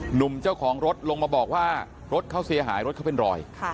หนุ่มเจ้าของรถลงมาบอกว่ารถเขาเสียหายรถเขาเป็นรอย